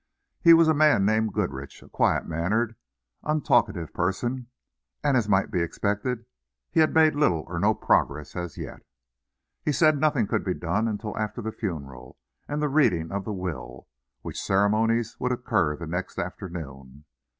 He was a man named Goodrich, a quiet mannered, untalkative person, and as might be expected he had made little or no progress as yet. He said nothing could be done until after the funeral and the reading of the will, which ceremonies would occur the next afternoon.